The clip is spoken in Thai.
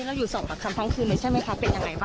ลองมาไล่เรียงดูหน่อยนะครับผู้ที่ตำรวจเชิญตัวมาสอบปากคำนะครับ